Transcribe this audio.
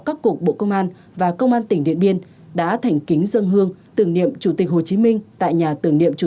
các cục bộ công an và công an tỉnh điện biên đã thành kính dân hương tưởng niệm chủ tịch hồ chí minh